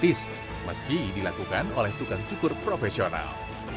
tidak karena ini adalah suatu perhubungan yang diperlukan oleh tukang cukur profesional